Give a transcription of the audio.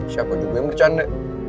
siapa juga yang bercanda